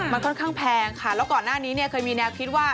มันค่อนข้างแพงค่ะแล้วก่อนหน้านี้เนี่ยเคยมีแนวคิดว่า